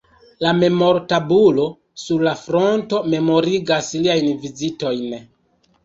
La memor-tabulo sur la fronto memorigas liajn vizitojn.